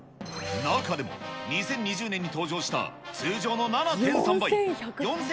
中でも、２０２０年に登場した通常の７．３倍、４１８４